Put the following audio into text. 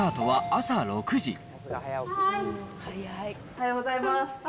おはようございます。